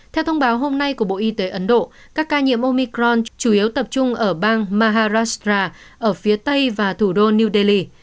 theo thông báo hôm nay của bộ y tế ấn độ các ca nhiễm omicron chủ yếu tập trung ở bang maharasra ở phía tây và thủ đô new delhi